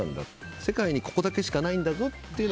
世界にここだけしかないんだぞって。